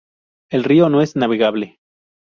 El río no es navegable.